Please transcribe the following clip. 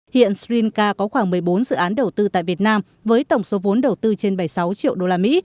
hiện sri lanka có khoảng một mươi bốn dự án đầu tư tại việt nam với tổng số vốn đầu tư trên bảy mươi sáu triệu đô la mỹ